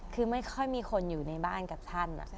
คือไม่ค่อยมีคนอยู่ในบ้านกับท่าน